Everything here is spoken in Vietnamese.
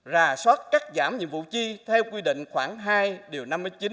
rà soát cắt giảm nhiệm vụ chi theo quy định khoảng hai điều năm mươi chín